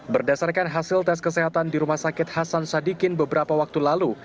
berdasarkan hasil tes kesehatan di rumah sakit hasan sadikin beberapa waktu lalu